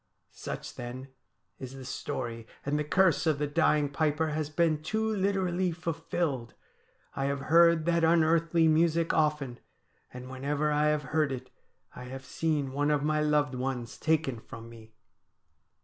' Such, then, is the story ; and the curse of the dying piper has been too literally fulfilled. I have heard that unearthly music often, and whenever I have heard it I have seen one of my loved ones taken from me.'